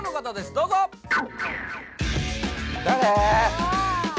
どうぞ誰？